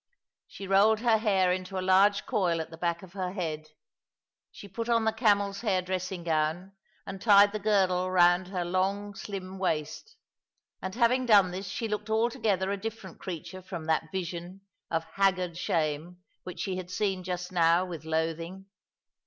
She rolled her hair in a large coil at the back of her head. She put on the camel's hair dressing gown, and tied the girdle round her long, slim waist, and having done this she looked altogether a different creature from that vision of haggard shame which she had seen just now with loathing.